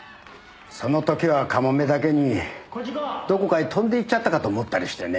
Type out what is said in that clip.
その時はかもめだけにどこかへ飛んでいっちゃったかと思ったりしてね。